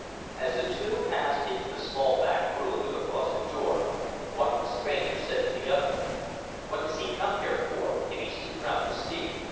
As the two passed into the small back room with the frosted door, one of the strangers said to the other: "What does he come here for, if he's too proud to speak!